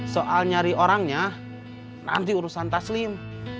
soal nyari orangnya nanti urusan taslim